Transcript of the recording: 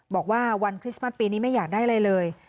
บอกว่าวันคริสต์มัสปีนี้ไม่อยากได้อะไรเลย